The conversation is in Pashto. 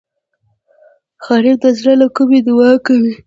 غریب د زړه له کومي دعا کوي